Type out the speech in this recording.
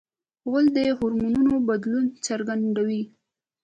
غول د هورمونونو بدلونه څرګندوي.